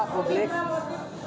dari kandungan yang diselamatkan